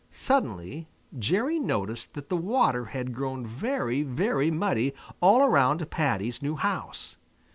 Suddenly Jerry noticed that the water had grown very, very muddy all around Paddy's new house.